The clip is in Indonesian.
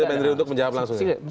pak menteri untuk menjawab langsung